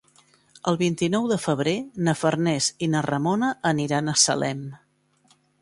El vint-i-nou de febrer na Farners i na Ramona aniran a Salem.